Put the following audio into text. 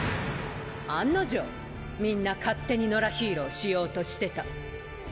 案の定みんな勝手に野良ヒーローしようとしてた。